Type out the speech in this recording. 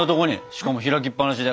しかも開きっぱなしで。